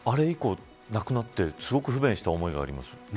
以降、なくなってすごく不便した思いがあります。